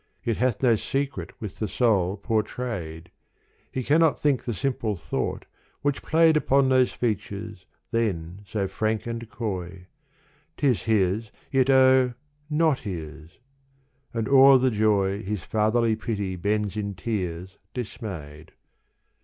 Yet hath no secret with the soul pourtrayed : He cannot think the simple thought which played Upon those features then so frank and coy : 'T is his, yet oh, not his : and o'er the joy His fatherly pity bends in tears dismayed.